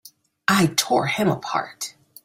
I tore him apart!